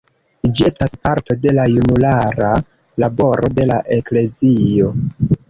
Ĝi estas parto de la junulara laboro de la eklezio.